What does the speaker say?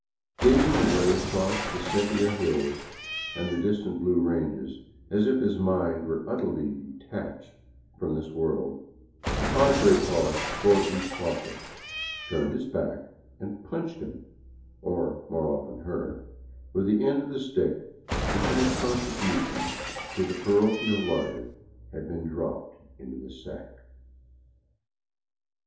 Gazing away across the sepia hills and distant blue ranges, as if his mind were utterly detached from this world, the padre paused before each hawker, turned his back, and punched him — or, more often, her — with the end of the stick until a contribution to the parochial larder had been dropped into the sack.